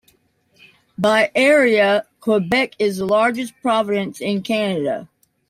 By area, Quebec is the largest province of Canada.